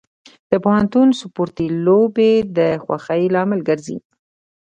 د پوهنتون سپورتي لوبې د خوښۍ لامل ګرځي.